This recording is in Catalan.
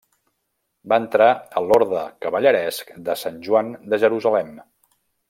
Va entrar a l'Orde cavalleresc de Sant Joan de Jerusalem.